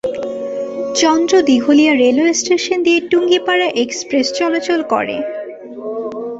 চন্দ্র Dighalia railway station দিয়ে Tungipara express চলাচল করে।